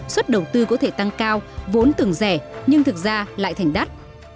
suất đầu tư có thể tăng cao vốn tưởng rẻ nhưng thực ra lại thành đắt